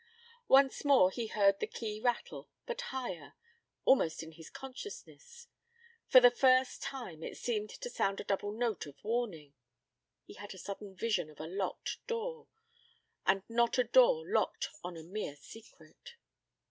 Once more he heard the key rattle, but higher ... almost in his consciousness ... for the first time it seemed to sound a double note of warning ... he had a sudden vision of a locked door and not a door locked on a mere secret.